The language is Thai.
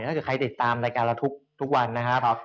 คือใครติดตามรายการเราทุกวันนะครับ